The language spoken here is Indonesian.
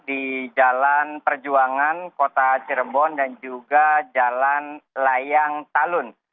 di jalan perjuangan kota cirebon dan juga jalan layang talun